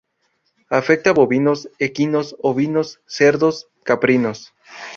Afecta bovinos, equinos, ovinos, cerdos, caprinos.